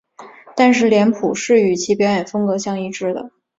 但是脸谱是与其表演风格相一致的。